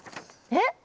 えっ？